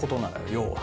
要は。